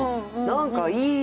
何かいいよ。